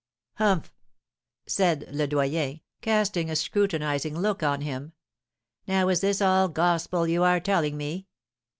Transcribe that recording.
'Humph!' said Le Doyen, casting a scrutinising look on him; 'now is this all gospel you are telling me?